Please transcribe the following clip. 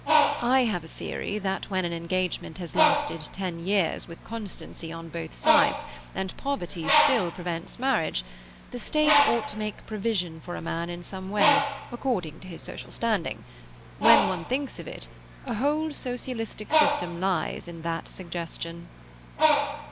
I have a theory that when an engagement has lasted ten years, with constancy on both sides, and poverty still prevents marriage, the State ought to make provision for a man in some way, according to his social standing. When one thinks of it, a whole socialistic system lies in that suggestion."